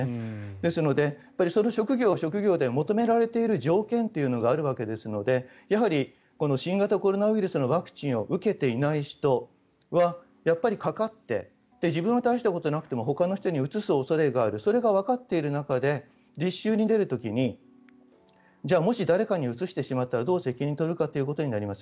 ですのでその職業は職業で求められている条件があるわけですので新型コロナウイルスのワクチンを受けていない人はやっぱりかかって自分は大したことはなくてもほかの人にうつす恐れがあるそれがわかっている中で実習に出る時にじゃあ、もし誰かにうつしてしまったらどう責任を取るのかとなります。